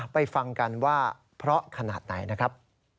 ไปฟังกันว่าเพราะขนาดไหนนะครับ